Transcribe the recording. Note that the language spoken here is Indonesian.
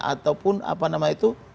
ataupun apa namanya itu